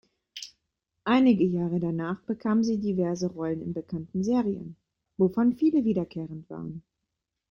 Einige Jahre danach bekam sie diverse Rollen in bekannten Serien, wovon viele wiederkehrend waren.